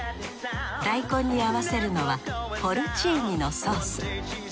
大根に合わせるのはポルチーニのソース。